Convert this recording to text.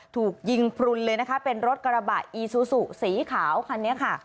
ถูกยิงพลุนเลยนะคะเป็นรถกระบะอีซูซูสีขาวคันนี้ค่ะ